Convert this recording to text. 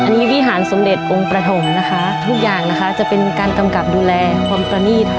อันนี้วิหารสมเด็จองค์ประถมนะคะทุกอย่างนะคะจะเป็นการกำกับดูแลความประนีต